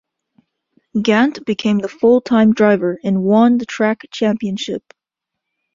Gant became the full-time driver and won the track championship.